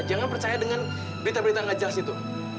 jangan percaya dengan berita berita ngajak situ